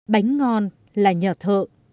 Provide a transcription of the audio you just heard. bánh ngon là nhà thợ